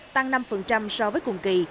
tăng năm so với cùng kỳ